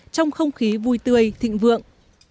trong không khí vui tươi thịnh vượng